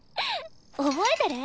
覚えてる？